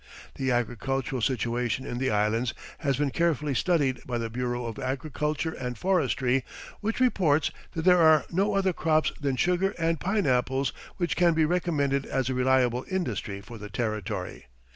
The agricultural situation in the Islands has been carefully studied by the Bureau of Agriculture and Forestry, which reports that there are no other crops than sugar and pineapples which can be recommended as a reliable industry for the territory.